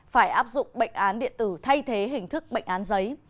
phải áp dụng bệnh án điện tử thay thế hình thức bệnh án giấy